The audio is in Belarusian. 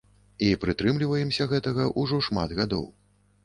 І прытрымліваемся гэтага ўжо шмат гадоў.